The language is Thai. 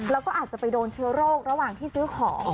แล้วก็อาจจะไปโดนเชื้อโรคระหว่างที่ซื้อของ